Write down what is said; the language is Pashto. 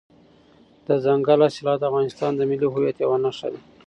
دځنګل حاصلات د افغانستان د ملي هویت یوه نښه ده.